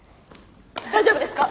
大丈夫ですか！？